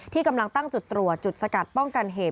กำลังตั้งจุดตรวจจุดสกัดป้องกันเหตุ